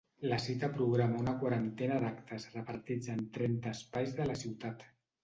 La cita programa una quarantena d’actes repartits en trenta espais de la ciutat.